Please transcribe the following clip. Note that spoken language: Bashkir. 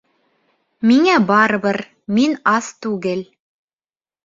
Миңә барыбер, мин ас түгел